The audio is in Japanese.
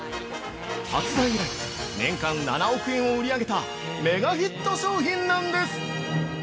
発売以来、年間７億円を売り上げたメガヒット商品なんです。